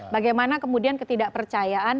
bagaimana kemudian ketidakpercayaan